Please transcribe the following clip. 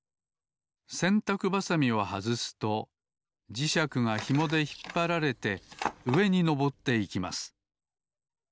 せんたくばさみをはずすと磁石がひもでひっぱられてうえにのぼっていきます。